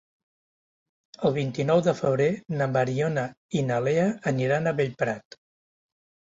El vint-i-nou de febrer na Mariona i na Lea aniran a Bellprat.